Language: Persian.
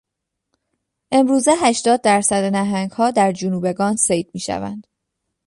امروزه هشتاد درصد نهنگها در جنوبگان صید میشوند.